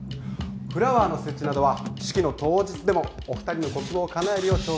フラワーの設置などは式の当日でもお二人のご希望をかなえるよう調整していますので。